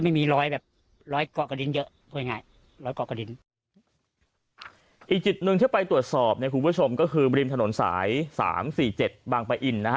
อีกจิตหนึ่งที่ไปตรวจสอบคุณผู้ชมก็คือมริมถนนสาย๓๔๗บางไปอิ่นนะฮะ